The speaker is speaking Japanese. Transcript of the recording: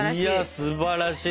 すばらしい。